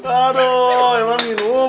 aduh emang minum